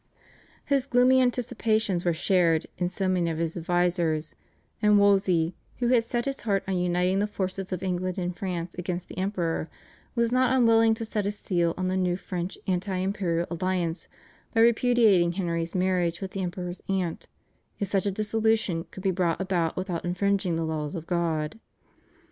His gloomy anticipations were shared in by many of his advisers; and Wolsey, who had set his heart on uniting the forces of England and France against the Emperor, was not unwilling to set a seal on the new French anti imperial alliance by repudiating Henry's marriage with the Emperor's aunt, if such a dissolution could be brought about without infringing the laws of God.